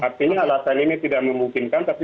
artinya alasan ini tidak memungkinkan tapi